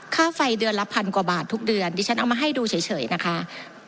ค่าไฟเดือนละพันกว่าบาททุกเดือนดิฉันเอามาให้ดูเฉยนะคะ